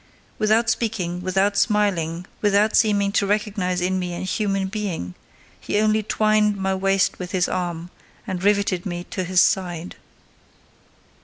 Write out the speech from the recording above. Without speaking, without smiling, without seeming to recognise in me a human being, he only twined my waist with his arm and riveted me to his side.